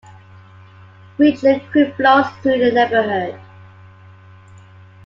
Richland Creek flows through the neighborhood.